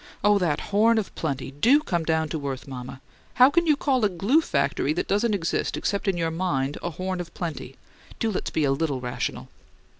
"Oh, that 'horn of plenty!' Do come down to earth, mama. How can you call a GLUE factory, that doesn't exist except in your mind, a 'horn of plenty'? Do let's be a little rational!"